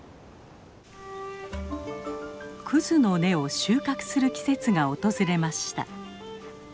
クズの根を収穫する季節が訪れました。